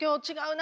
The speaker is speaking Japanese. な